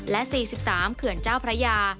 และ๔๓เขื่อนเจ้าพระยา